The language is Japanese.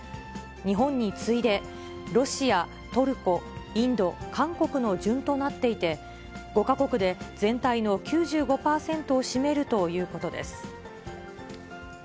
日本に次いでロシア、トルコ、インド、韓国の順となっていて、５か国で全体の９５％を占めるということです。